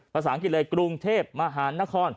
ภาษาอังกฤษเลยกรุงเทพมหานคร